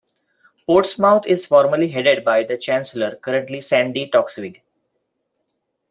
Portsmouth is formally headed by the Chancellor, currently Sandi Toksvig.